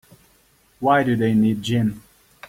Why do they need gin?